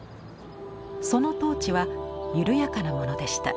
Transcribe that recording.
その統治は緩やかなものでした。